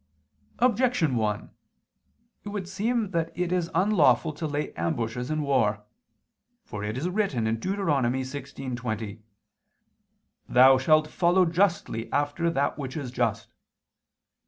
Objection 1: It would seem that it is unlawful to lay ambushes in war. For it is written (Deut. 16:20): "Thou shalt follow justly after that which is just."